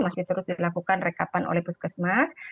masih terus dilakukan rekapan oleh puskesmas